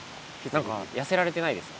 何か痩せられてないですか？